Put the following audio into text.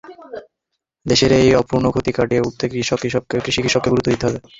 দেশের এই অপূরণীয় ক্ষতি কাটিয়ে উঠতে কৃষি ও কৃষককে গুরুত্ব দিতে হবে।